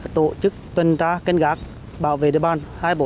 tổ chức tuần tra kênh gác bảo vệ địa bàn hai mươi bốn hai mươi bốn